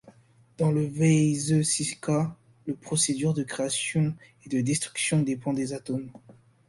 Dans le Vaiśeṣika, le processus de création et de destruction dépend des atomes.